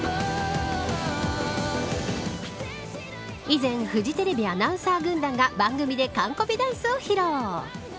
以前フジテレビアナウンサー軍団が番組で完コピダンスを披露。